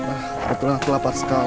ah betul aku lapar sekali